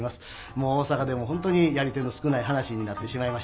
もう大阪でも本当にやり手の少ない噺になってしまいました。